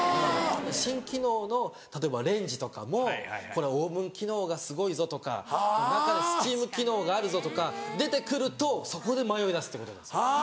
新機能の例えばレンジとかもオーブン機能がすごいぞとか中でスチーム機能があるぞとか出てくるとそこで迷い出すってことなんです。